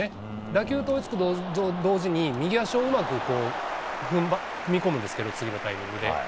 打球追いつくと同時に、右足をうまく踏み込むんですけど、次のタイミングで。